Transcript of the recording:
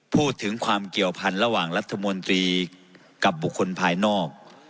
พูดถึงความเกี่ยวพันธ์ระหว่างรัฐมนตรีกับบุคคลภายนอก